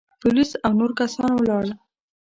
پوليس او نور کسان ولاړل.